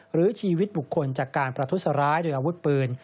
หรือชีวิตบุคคลจากการประทุษร้ายโดยอาวุธปืน